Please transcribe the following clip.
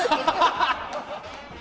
ハハハハ！